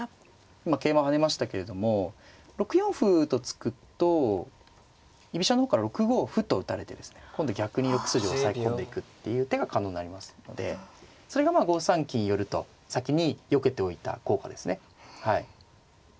今桂馬跳ねましたけれども６四歩と突くと居飛車の方から６五歩と打たれてですね今度逆に６筋を押さえ込んでいくっていう手が可能になりますのでそれがまあ５三金寄と先によけておいた効果ですね。